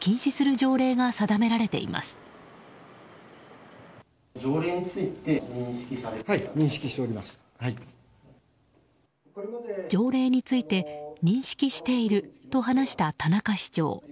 条例について認識していると話した田中市長。